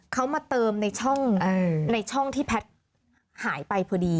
เขามาเติมในช่องที่แพทย์หายไปพอดี